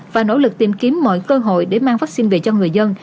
và nỗ lực tìm kiếm mọi cơ hội để mang vaccine về cho người dân